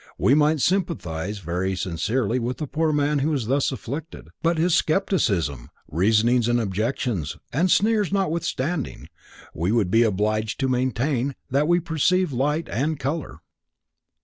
We might sympathize very sincerely with the poor man who is thus afflicted, but his scepticism, reasonings and objections and sneers notwithstanding we would be obliged to maintain that we perceive light and color.